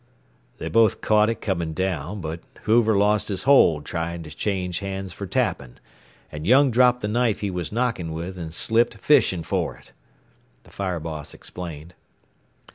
"They both caught it coming down, but Hoover lost his hold trying to change hands for tapping, and Young dropped the knife he was knocking with, and slipped fishing for it," the fire boss explained.